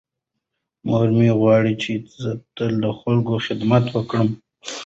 مور مې غواړي چې زه تل د خلکو خدمت وکړم.